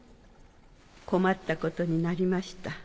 困ったことになりました。